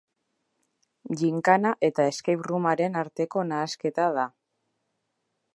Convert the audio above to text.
Ginkana eta escape room-aren arteko nahasketa da.